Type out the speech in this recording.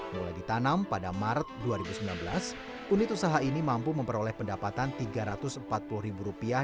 mulai ditanam pada maret dua ribu sembilan belas unit usaha ini mampu memperoleh pendapatan rp tiga ratus empat puluh